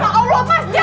mas allah mas jangan